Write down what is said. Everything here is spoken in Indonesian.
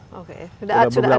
sudah ada atletnya mungkin